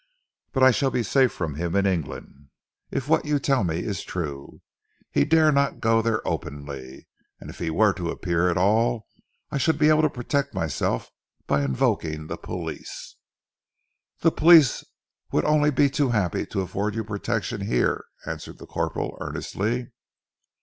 "But I shall be safe from him in England, if what you tell me is true. He dare not go there openly, and if he were to appear at all, I should be able to protect myself, by invoking the police." "The police would only be too happy to afford you protection here," answered the corporal earnestly.